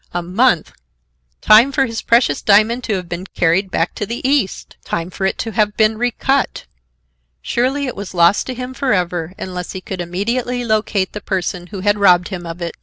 A month! time for his precious diamond to have been carried back to the East! Time for it to have been recut! Surely it was lost to him for ever, unless he could immediately locate the person who had robbed him of it.